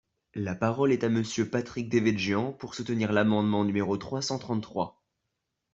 La parole est à Monsieur Patrick Devedjian, pour soutenir l’amendement numéro trois cent trente-trois.